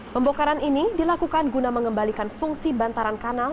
pembongkaran ini dilakukan guna mengembalikan fungsi bantaran kanal